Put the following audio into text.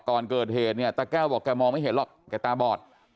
ก่อนเกิดเหตุเนี่ยตาแก้วบอกแกมองไม่เห็นหรอกแกตาบอด